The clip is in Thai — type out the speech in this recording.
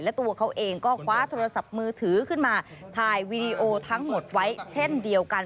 และตัวเขาเองก็คว้าโทรศัพท์มือถือขึ้นมาถ่ายวีดีโอทั้งหมดไว้เช่นเดียวกัน